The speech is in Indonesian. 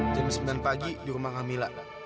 jam sembilan pagi di rumah kamila